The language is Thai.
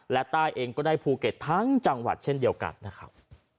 และใต้เองก็ได้ภูเก็ตทั้งจังหวัดเช่นเดียวกันนะครับ